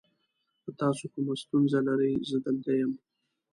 که تاسو کومه ستونزه لرئ، زه دلته یم.